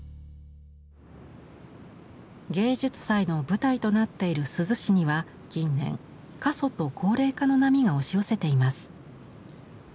芸術祭の舞台となっている珠洲市には近年過疎と高齢化の波が押し寄せています。